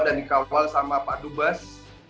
dan dikawal sama pak dubes